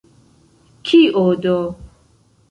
Kio do!